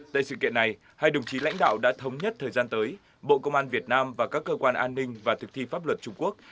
tại sự kiện này hai đồng chí lãnh đạo đã thống nhất thời gian tới bộ công an việt nam và các cơ quan an ninh và thực thi pháp luật trung quốc